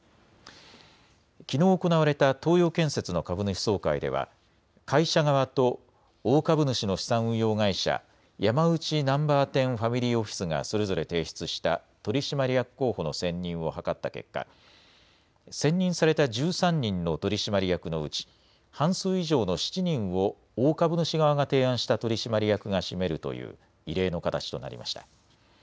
きのう行われた東洋建設の株主総会では会社側と大株主の資産運用会社、ヤマウチ・ナンバーテン・ファミリー・オフィスがそれぞれ提出した取締役候補の選任を諮った結果、選任された１３人の取締役のうち半数以上の７人を大株主側が提案した取締役が占めるという異例の形となりました。